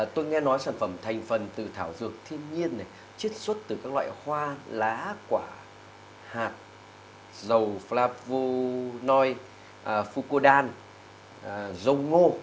tôi nghe nói sản phẩm thành phần từ thảo dược thiên nhiên chiết xuất từ các loại hoa lá quả hạt dầu flavonoid fucodan dầu ngô